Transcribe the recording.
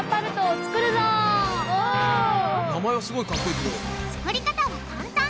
作り方は簡単！